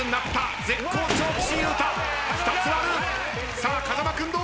さあ風間君どうか！？